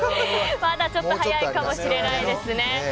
まだ少し早いかもしれないですね。